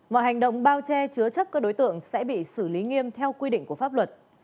mọi hành động bao che chứa chấp các đối tượng sẽ bị xử lý nghiêm theo quy định của pháp luật